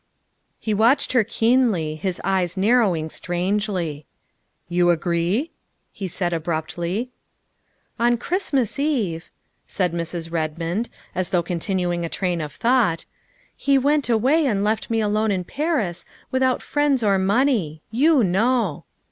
He watched her keenly, his eyes narrowing strangely. " You agree?" he said abruptly. " On Christmas Eve," said Mrs. Redmond, as though 152 THE WIFE OF continuing a train of thought, " he went away and left me alone in Paris, without friends or money you know.